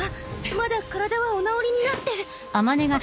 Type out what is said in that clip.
まだ体はお治りになって。